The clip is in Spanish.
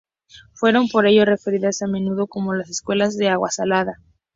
Fueron por ello referidas a menudo como las "escuelas de agua salada".